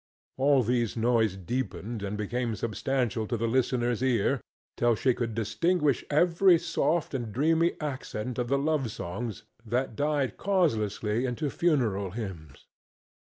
All these noises deepened and became substantial to the listener's ear, till she could distinguish every soft and dreamy accent of the love songs that died causelessly into funeral hymns.